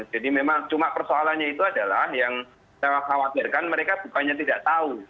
jadi memang cuma persoalannya itu adalah yang saya khawatirkan mereka bukannya tidak tahu